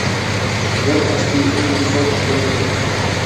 يەر ئاستى ئۇنىۋېرسال تۇرۇبا يولى قۇرۇش.